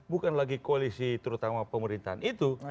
bukan lagi koalisi terutama pemerintahan itu